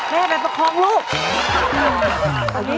แม่แบบประพองลูก